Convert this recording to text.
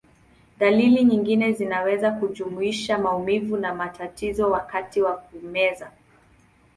Dalili nyingine zinaweza kujumuisha maumivu na matatizo wakati wa kumeza.